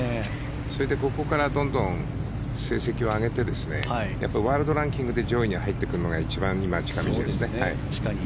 それでここからどんどん成績を上げてワールドランキングで上位に入ってくるのが一番今、近道ですね。